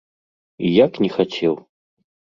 І як не хацеў!